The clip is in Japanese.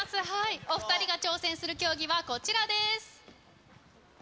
お２人が挑戦する競技はこちらです。